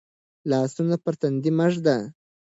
لاسونه پر تندي مه ږده.